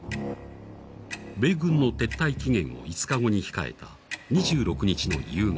米軍の撤退期限を５日後に控えた２６日の夕方、